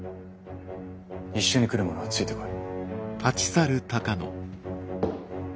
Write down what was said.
一緒に来る者はついてこい。